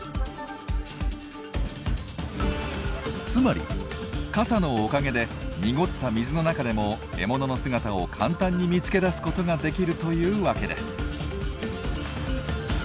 つまり傘のおかげで濁った水の中でも獲物の姿を簡単に見つけ出すことができるというわけです。